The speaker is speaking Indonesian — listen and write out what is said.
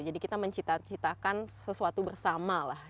jadi kita menciptakan sesuatu bersama lah